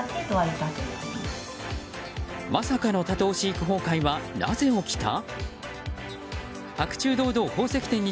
まさかの多頭飼育崩壊はなぜ起きた？